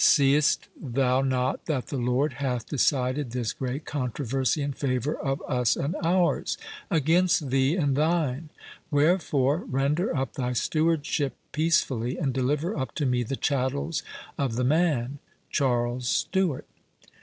See'st thou not that the Lord hath decided this great controversy in favour of us and ours, against thee and thine? Wherefore, render up thy stewardship peacefully, and deliver up to me the chattels of the Man, Charles Stewart."